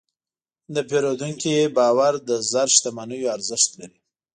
د پیرودونکي باور د زر شتمنیو ارزښت لري.